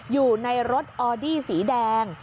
อยู่ในรถออดี้สีแดง